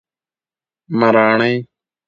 مراڼی